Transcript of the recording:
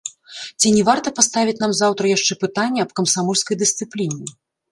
Ці не варта паставіць нам заўтра яшчэ пытанне аб камсамольскай дысцыпліне.